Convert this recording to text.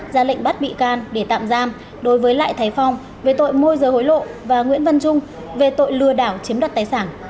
ra lệnh bắt bị can để tạm giam đối với lại thái phong về tội môi rời hối lộ và nguyễn văn trung về tội lừa đảo chiếm đoạt tài sản